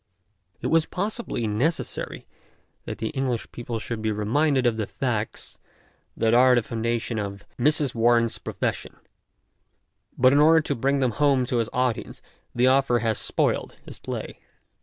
It was possibly necessary that the English people should be reminded of the " facts " that are the foundation of " Mrs. Warren's Profession," but in order to bring them home to his audience the author has spoiled his play.